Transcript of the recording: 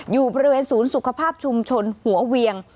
อยู่บริเวณศูนย์สุขภาพชุมชนหัวเวียง